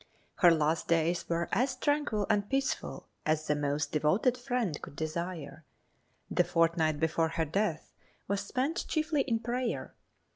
Her last days were as tranquil and peaceful as the most devoted friend could desire. The fortnight before her death was spent chiefly in prayer.